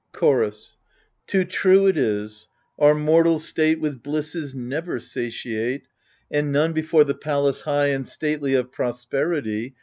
Chorus Too true it is ! our mortal state With bliss is never satiate, And none, before the palace high And stately of prosperity.